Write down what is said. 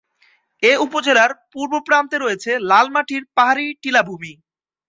এ উপজেলার পূর্বপ্রান্তে রয়েছে লাল মাটির পাহাড়ী টিলা ভূমি।